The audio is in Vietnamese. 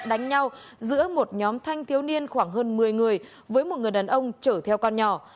đánh nhau giữa một nhóm thanh thiếu niên khoảng hơn một mươi người với một người đàn ông chở theo con nhỏ